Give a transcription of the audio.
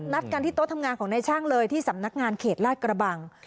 นัดกันที่โต๊ะทำงานของนายช่างเลยที่สำนักงานเขตลาดกระบัง